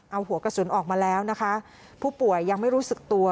เอาหัวกระสุนออกมาแล้วนะคะผู้ป่วยยังไม่รู้สึกตัว